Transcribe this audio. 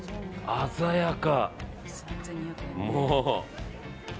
鮮やか。